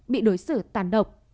bị đối xử tàn độc